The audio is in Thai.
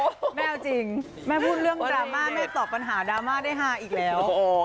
แม่เอาจริงแม่พูดเรื่องดราม่าแม่ตอบปัญหาดราม่าได้ฮาอีกแล้ว